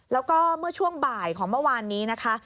แล้วก็เมื่อช่วงบ่ายของเมื่อวานนี้นะคะ